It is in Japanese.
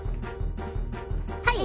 はい！